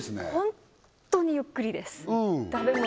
ホンットにゆっくりです食べ物